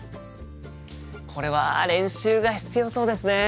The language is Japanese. これは練習が必要そうですね。